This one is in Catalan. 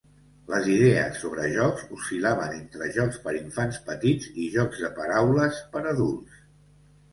Les idees sobre jocs oscil·laven entre jocs per infants petits i jocs de paraules per adults.